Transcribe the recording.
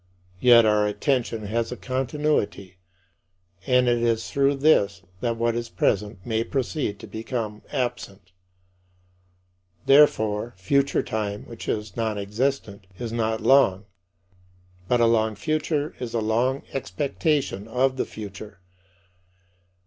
Yet, our attention has a continuity and it is through this that what is present may proceed to become absent. Therefore, future time, which is nonexistent, is not long; but "a long future" is "a long expectation of the future."